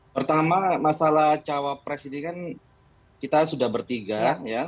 pertama masalah cawapres ini kan kita sudah bertiga ya